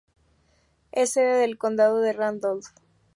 Es sede del condado de Randolph.